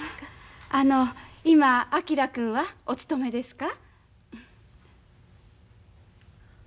あの今昭君はお勤めですか？